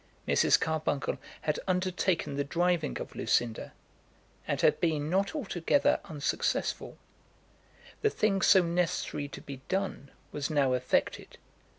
Mrs. Carbuncle had undertaken the driving of Lucinda, and had been not altogether unsuccessful. The thing so necessary to be done was now effected.